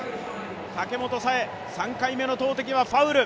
武本紗栄、３回めの投てきはファウル。